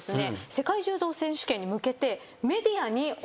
世界柔道選手権に向けて。